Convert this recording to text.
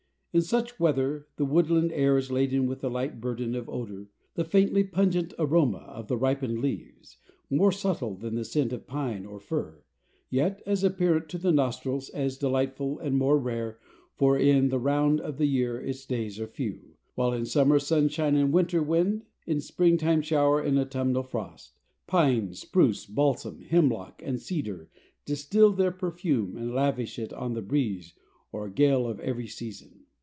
In such weather the woodland air is laden with the light burden of odor, the faintly pungent aroma of the ripened leaves, more subtle than the scent of pine or fir, yet as apparent to the nostrils, as delightful and more rare, for in the round of the year its days are few, while in summer sunshine and winter wind, in springtime shower and autumnal frost, pine, spruce, balsam, hemlock, and cedar distill their perfume and lavish it on the breeze or gale of every season.